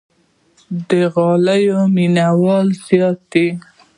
د غالۍ مینوال زیات دي.